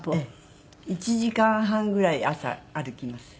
１時間半ぐらい朝歩きます。